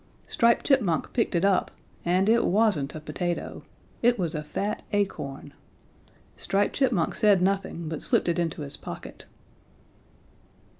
Striped Chipmunk picked it up and it wasn't a potato. It was a fat acorn. Striped Chipmunk said nothing but slipped it into his pocket.